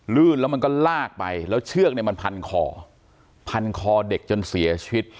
ลื่นแล้วมันก็ลากไปแล้วเชือกเนี่ยมันพันคอพันคอเด็กจนเสียชีวิต